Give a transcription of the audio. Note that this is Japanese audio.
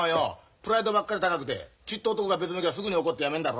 プライドばっかり高くてちっと男が別向きゃすぐに怒ってやめんだろ。